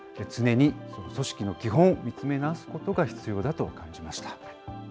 常に組織の基本を見つめ直すことが必要だと感じました。